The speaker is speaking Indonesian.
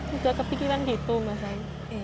sudah terpikiran begitu mas aini